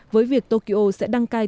với việc tokyo sẽ đăng ký